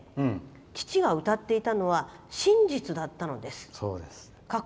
父が歌っていたのは真実だったのです。。